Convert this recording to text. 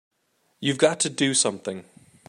You've got to do something!